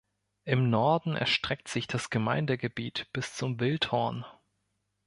Im Norden erstreckt sich das Gemeindegebiet bis zum Wildhorn.